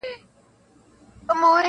لكه زركي هم طنازي هم ښايستې وې-